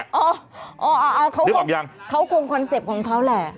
เดี๋ยวเขาคงคอนเซ็ปต์ของเขาแหละ